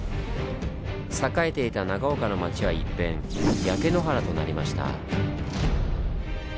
栄えていた長岡の町は一変焼け野原となりました。